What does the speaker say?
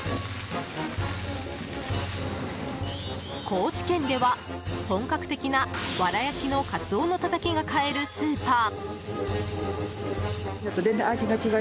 高知県では本格的なわら焼きのカツオのたたきが買えるスーパー。